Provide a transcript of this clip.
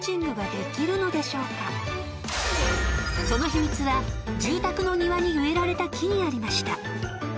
［その秘密は住宅の庭に植えられた木にありました］